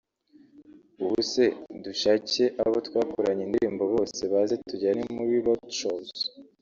Ubuse dushake abo twakoranye indirimbo bose baze tujyane muri Raodshows